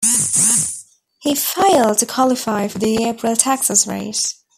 He failed to qualify for the April Texas race.